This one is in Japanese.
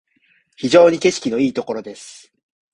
非常に景色のいいところです